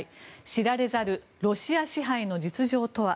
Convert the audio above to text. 知られざるロシア支配の実情とは？